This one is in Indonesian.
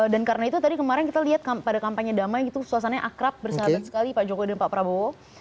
dan karena itu tadi kemarin kita lihat pada kampanye damai itu suasananya akrab bersahabat sekali pak jokowi dan pak prabowo